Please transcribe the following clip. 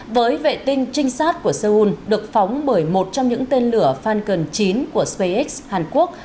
với vệ tinh trinh sát của seoul được phóng bởi một trong những tên lửa falcon chín của spacex hàn quốc